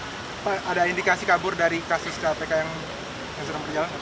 pak ada indikasi kabur dari kasus kpk yang sedang berjalan